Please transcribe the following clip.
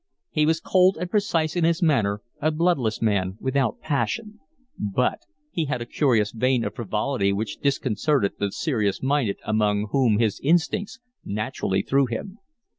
He was cold and precise in his manner, a bloodless man, without passion; but he had a curious vein of frivolity which disconcerted the serious minded among whom his instincts naturally threw him.